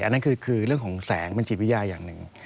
อันนั้นคือเรื่องของแสงบรรจิตวิทยาอย่างหนึ่ง